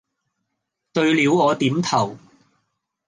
對了我點頭，